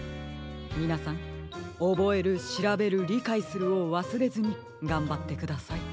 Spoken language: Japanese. みなさん「おぼえるしらべるりかいする」をわすれずにがんばってください。